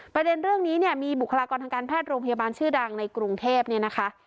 ประเด็นเรื่องนี้เนี่ยมีบุคลากรทางการแพทย์โรงพยาบาลชื่อดังในกรุงเทพเนี่ยนะคะ